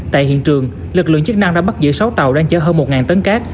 tại hiện trường lực lượng chức năng đã bắt giữ sáu tàu đang chở hơn một tấn cát